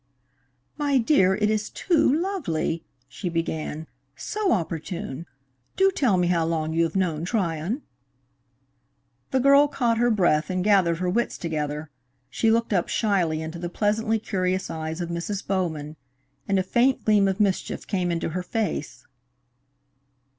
"My dear, it is too lovely," she began. "So opportune! Do tell me how long you have known Tryon?" The girl caught her breath and gathered her wits together. She looked up shyly into the pleasantly curious eyes of Mrs. Bowman, and a faint gleam of mischief came into her face.